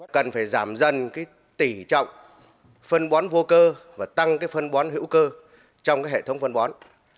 cần phải giảm dần tỉ trọng phân bón vô cơ và tăng phân bón hữu cơ trong hệ thống phân bón